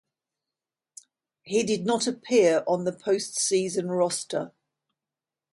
He did not appear on the postseason roster.